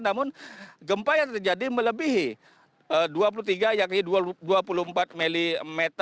namun gempa yang terjadi melebihi dua puluh tiga yakni dua puluh empat mm